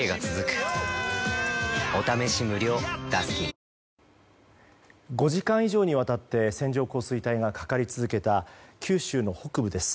脂肪に選べる「コッコアポ」５時間以上にわたって線状降水帯がかかり続けた九州の北部です。